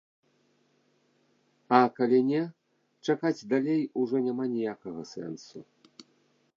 А калі не, чакаць далей ужо няма ніякага сэнсу.